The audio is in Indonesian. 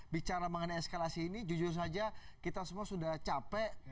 bicara mengenai eskalasi ini jujur saja kita semua sudah capek